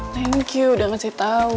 thank you udah ngasih tau